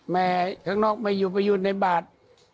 แม่ข้างนอกไม่อยู่ไปอยู่ในบาท